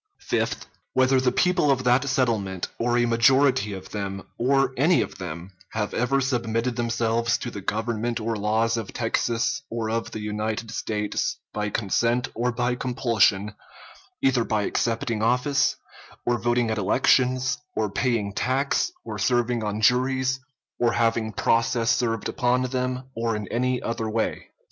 Fifth. Whether the people of that settlement, or a majority of them, or any of them, have ever submitted themselves to the government or laws of Texas or of the United States, by consent or by compulsion, either by accepting office, or voting at elections, or paying tax, or serving on juries, or having process served upon them, or in any other way.